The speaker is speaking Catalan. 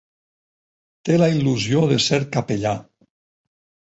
Té la il·lusió de ser capellà.